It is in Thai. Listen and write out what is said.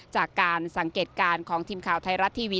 จากการสังเกตการณ์ของทีมข่าวไทยรัฐทีวี